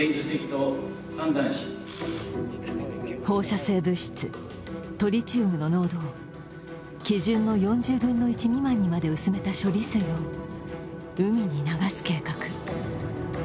放射性物質・トリチウムの濃度を基準の４０分の１未満にまで薄めた処理水を海に流す計画。